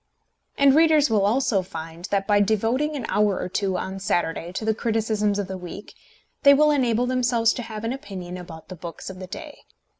And readers will also find that by devoting an hour or two on Saturday to the criticisms of the week, they will enable themselves to have an opinion about the books of the day.